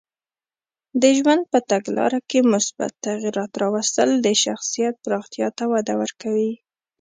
د ژوند په تګلاره کې مثبت تغییرات راوستل د شخصیت پراختیا ته وده ورکوي.